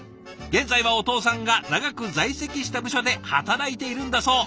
現在はお父さんが長く在籍した部署で働いているんだそう。